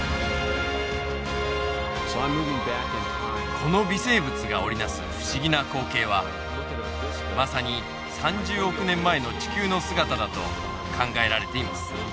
この微生物が織り成す不思議な光景はまさに３０億年前の地球の姿だと考えられています。